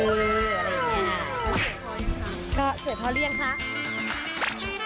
สวยพอพเหร้าก็สวยพอเลี้ยงสาม